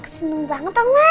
seneng banget oma